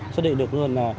sẽ định được luôn là